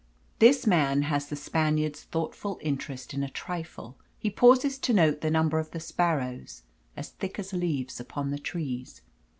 This man has the Spaniard's thoughtful interest in a trifle. He pauses to note the number of the sparrows, as thick as leaves upon the trees.